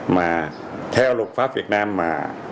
mà theo luật pháp việt nam mà